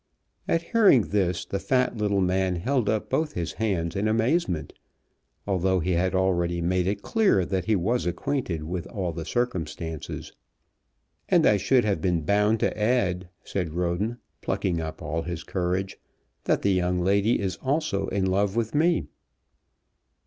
At hearing this the fat little man held up both his hands in amazement, although he had already made it clear that he was acquainted with all the circumstances. "And I should have been bound to add," said Roden, plucking up all his courage, "that the young lady is also in love with me."